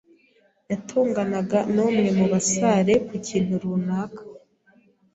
yatonganaga n'umwe mu basare ku kintu runaka.